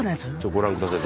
ご覧ください。